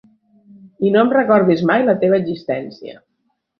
I no em recordis mai la teva existència.